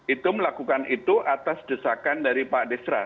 itu melakukan itu atas desakan dari pak desra